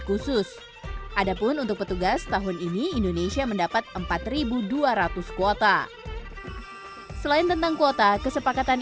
khusus adapun untuk petugas tahun ini indonesia mendapat empat ribu dua ratus kuota selain tentang kuota kesepakatan